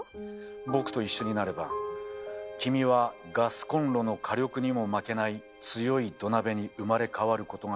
僕と一緒になれば君はガスコンロの火力にも負けない強い土鍋に生まれ変わることができる。